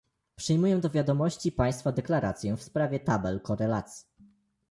Przyjmuję do wiadomości Państwa deklarację w sprawie tabel korelacji